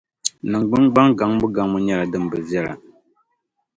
Nin gbungbaŋ gaŋbu gaŋbu nyɛla din bi viɛla.